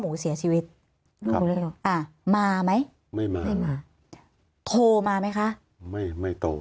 หมูเสียชีวิตครับอ่ามาไหมไม่มาไม่มาโทรมาไหมคะไม่ไม่โต